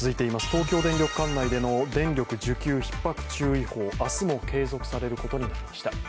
東京電力管内での電力需給ひっ迫注意報、明日も継続されることになりました。